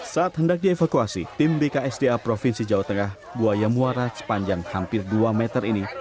saat hendak dievakuasi tim bksda provinsi jawa tengah buaya muara sepanjang hampir dua meter ini